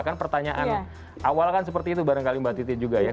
kan pertanyaan awal kan seperti itu barangkali mbak titi juga ya